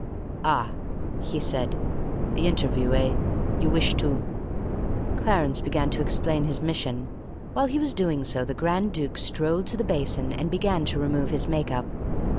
"Ah," he said, "the interviewer, eh? You wish to " Clarence began to explain his mission. While he was doing so the Grand Duke strolled to the basin and began to remove his make up.